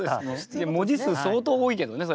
いや文字数相当多いけどねそれ。